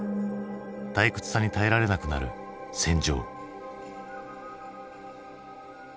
退屈さに耐えられなくなる戦場。